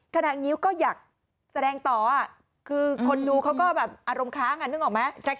งิ้วก็อยากแสดงต่อคือคนดูเขาก็แบบอารมณ์ค้างอ่ะนึกออกไหม